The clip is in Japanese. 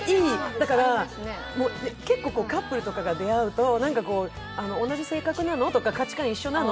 だから、結構カップルとかが出会うと、同じ性格なの？とか価値観一緒なの？